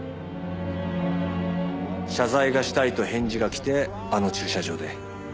謝罪がしたいと返事が来てあの駐車場で。